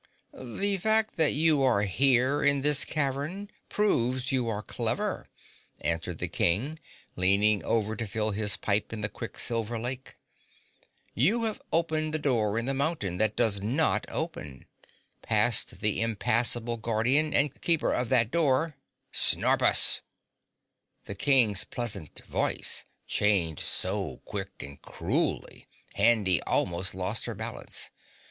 "The fact that you are here in this cavern proves you are clever," answered the King, leaning over to fill his pipe in the quicksilver lake. "You have opened the door in the mountain that does not open; passed the impassable guardian and keeper of that door SNORPUS!!" The King's pleasant voice changed so quick and cruelly, Handy almost lost her balance.